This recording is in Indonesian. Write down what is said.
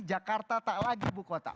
jakarta tak lagi ibu kota